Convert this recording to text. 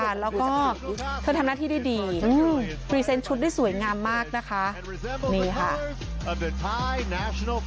แล้วก็เธอทำหน้าที่ได้ดีพรีเซนต์ชุดได้สวยงามมากนะคะนี่ค่ะ